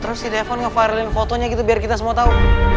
terus si devon nge viralin fotonya gitu biar kita semua tau